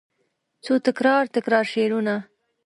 څو تکرار، تکرار شعرونه